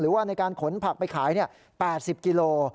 หรือว่าในการขนผักไปขายเนี่ย๘๐กิโล